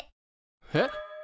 えっ！？